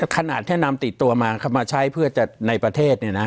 ขนาดถ้านำติดตัวมามาใช้ในประเทศเนี่ยนะ